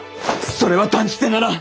それは断じてならん！